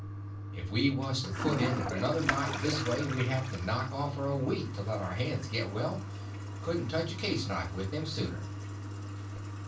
If we was to put in another night this way we'd have to knock off for a week to let our hands get well—couldn't touch a case knife with them sooner."